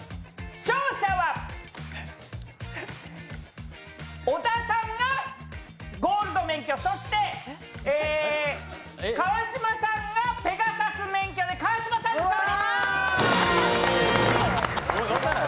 勝者は小田さんがゴールド免許そして川島さんがペガサス免許で川島さんの勝利！